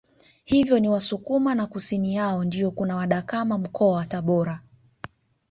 Hivyo ni Wasukuma na kusini yao ndio kuna wadakama Mkoa wa Tabora